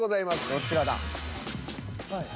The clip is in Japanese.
どちらだ？